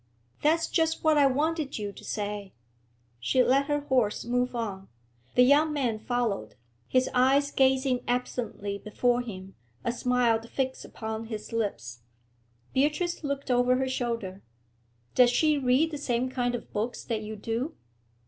'That's just what I wanted you to say.' She let her horse move on. The young man followed, his eyes gazing absently before him, a smile fixed upon his lips. Beatrice looked over her shoulder. 'Does she read the same kind of books that you do?'